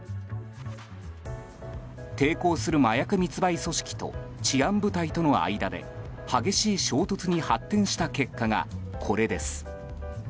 抵抗する麻薬密売組織と治安部隊との間で激しい衝突に発展した結果がこれです。